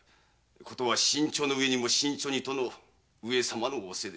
ことは慎重のうえにも慎重にとの上様の仰せである。